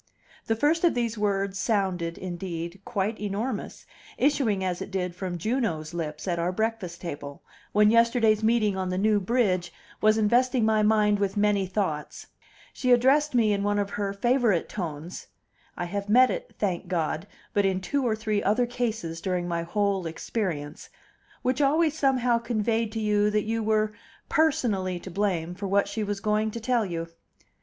The first of these words sounded, indeed, quite enormous, issuing as it did from Juno's lips at our breakfast table, when yesterday's meeting on the New Bridge was investing my mind with many thoughts. She addressed me in one of her favorite tones (I have met it, thank God! but in two or three other cases during my whole experience), which always somehow conveyed to you that you were personally to blame for what she was going to tell you.